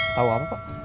tau apa pak